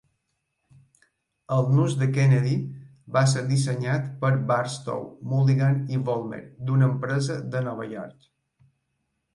El nus de Kennedy va ser dissenyat per Barstow, Mulligan i Vollmer, d'una empresa de Nova York.